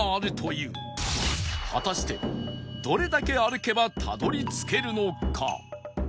果たしてどれだけ歩けばたどり着けるのか？